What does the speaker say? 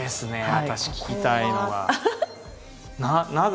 私聞きたいのは。